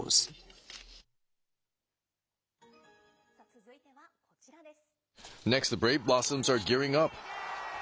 続いてはこちらです。